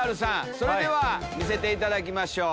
それでは見せていただきましょう。